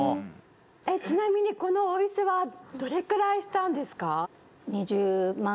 「ちなみにこのお椅子はどれくらいしたんですか？」